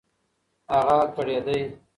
هغه کړېدی .